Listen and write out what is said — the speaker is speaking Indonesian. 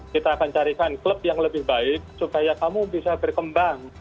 kita akan carikan klub yang lebih baik supaya kamu bisa berkembang